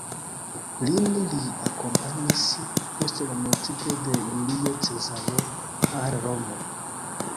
Lin li akompanis, post la mortigo de Julio Cezaro, al Romo.